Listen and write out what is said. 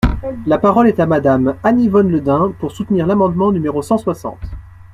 La parole est à Madame Anne-Yvonne Le Dain, pour soutenir l’amendement numéro cent soixante.